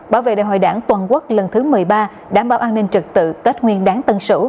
bảo vệ đại hội đảng toàn quốc lần thứ một mươi ba đảm bảo an ninh trực tự tết nguyên đáng tân sửu